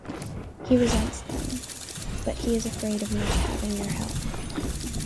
He resents them, but he is afraid of not having their help.